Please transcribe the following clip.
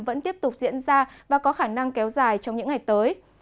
vẫn tiếp tục diễn ra và có khả năng kéo dài trong những ngày tới